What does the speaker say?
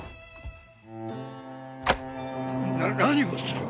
な何をする！？